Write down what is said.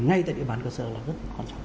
ngay tại địa bàn cơ sở là rất quan trọng